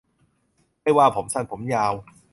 ไม่ว่าผมสั้นผมยาว